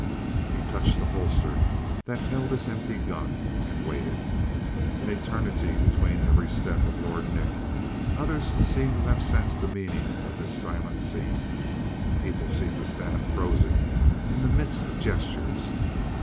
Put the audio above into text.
He touched the holster that held his empty gun and waited! An eternity between every step of Lord Nick. Others seemed to have sensed the meaning of this silent scene. People seemed to stand frozen in the midst of gestures.